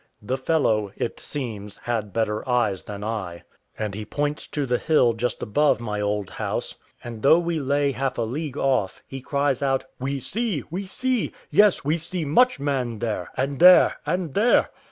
The fellow, it seems, had better eyes than I, and he points to the hill just above my old house; and though we lay half a league off, he cries out, "We see! we see! yes, we see much man there, and there, and there."